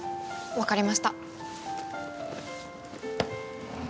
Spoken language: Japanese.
分かりました。